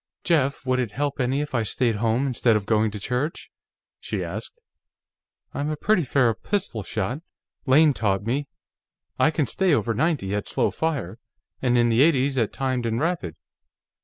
"Jeff, would it help any if I stayed home, instead of going to church?" she asked. "I'm a pretty fair pistol shot. Lane taught me. I can stay over ninety at slow fire, and in the eighties at timed and rapid.